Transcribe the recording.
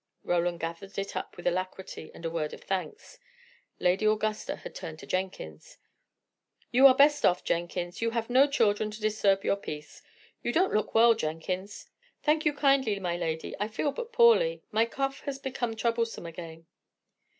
Roland gathered it up with alacrity and a word of thanks. Lady Augusta had turned to Jenkins. "You are the best off, Jenkins; you have no children to disturb your peace. You don't look well, Jenkins." "Thank you kindly, my lady, I feel but poorly. My cough has become troublesome again."